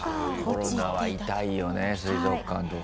コロナは痛いよね水族館とか。